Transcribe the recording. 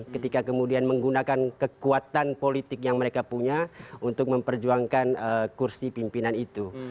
ketika kemudian menggunakan kekuatan politik yang mereka punya untuk memperjuangkan kursi pimpinan itu